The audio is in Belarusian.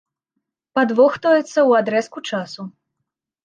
Падвох тоіцца ў адрэзку часу.